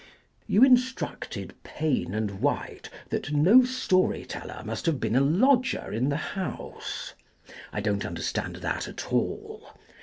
You instructed Payn and White, that no story Teller must have been a Lodger in the House.* I don't understand that, at all.